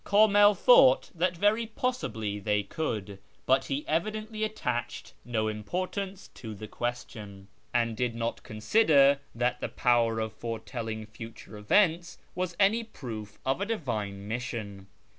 Kamil thought that very possibly they could, but he evidently attached no im portance to the question, and did not consider that the power of foretelling future events was any proof of a divine mission.